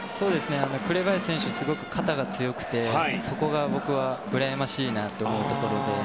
紅林選手は肩がすごく強くてそこが、うらやましいなと思うところで。